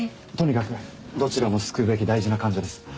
とにかくどちらも救うべき大事な患者です。